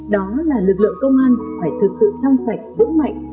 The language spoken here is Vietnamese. đó là lực lượng công an phải thực sự trong sạch vững mạnh